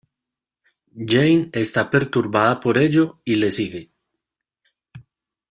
Jane está perturbada por ello y le sigue.